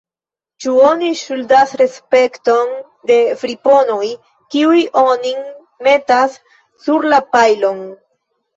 Ĉu oni ŝuldas respekton al friponoj, kiuj onin metas sur la pajlon.